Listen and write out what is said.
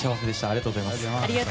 ありがとうございます。